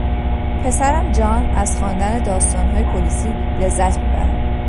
پسرم جان از خواندن داستانهای پلیسی لذت میبرد.